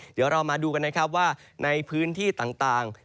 เดี๋ยวเรามาดูกันนะครับว่าในพื้นที่ต่าง